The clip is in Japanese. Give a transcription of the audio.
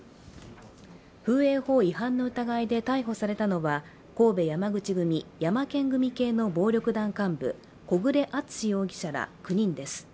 風営法違反の疑いで逮捕されたのは神戸山口組山健組系暴力団幹部小暮敦容疑者ら９人です。